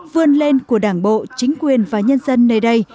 vươn lên của đảng bộ chính quyền và nhân dân nơi đây